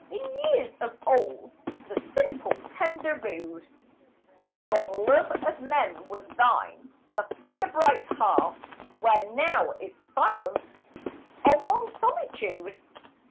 In years of old The simple, tender, rude, Strong love of men was thine, the fire bright hearth Where now is silence of long solitude.